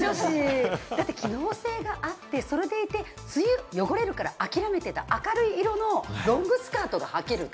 機能性があって、それでいて、梅雨は汚れるから諦めてた明るい色のロングスカートがはける！